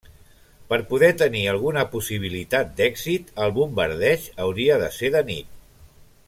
Per poder tenir alguna possibilitat d'èxit, el bombardeig hauria de ser de nit.